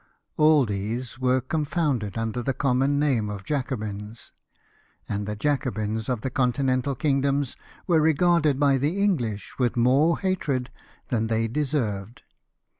All these were con founded under the common name of Jacobins; and the Jacobins of the Continental kingdoms were re garded by the English with more hatred than they deserved.